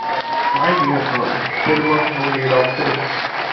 My dear girl, there was no need of this.